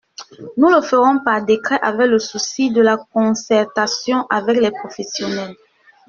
Nous le ferons par décret, avec le souci de la concertation avec les professionnels.